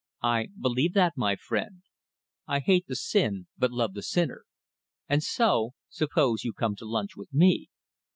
"I believe that, my friend; I hate the sin but love the sinner And so, suppose you come to lunch with me?"